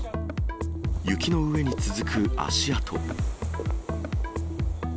雪の上に続く足跡。